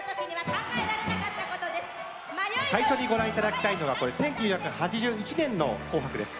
最初にご覧いただきたいのが１９８１年の「紅白」です。